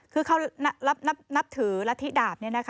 คือเขานับถือละทิดาบเนี่ยนะคะ